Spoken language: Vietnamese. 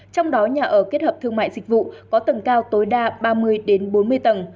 trong đó nhà ở kết hợp thương mại dịch vụ có tầng cao tối đa ba mươi bốn mươi tầng